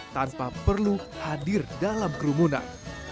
tanpa perlu hadir dalam kerumunan